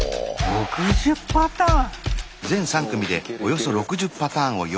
６０パターン！